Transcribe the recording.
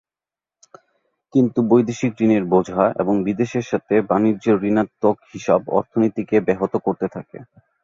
কিন্তু বৈদেশিক ঋণের বোঝা এবং বিদেশের সাথে বাণিজ্যের ঋণাত্মক হিসাব অর্থনীতিকে ব্যাহত করতে থাকে।